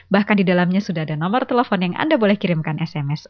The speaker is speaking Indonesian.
bahkan di dalamnya sudah ada nomor telepon yang anda boleh kirimkan sms